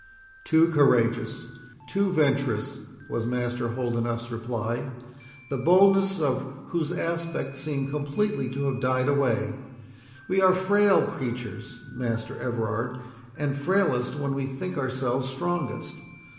"Too courageous—too venturous" was Master Holdenough's reply, the boldness of whose aspect seemed completely to have died away. "We are frail creatures, Master Everard, and frailest when we think ourselves strongest.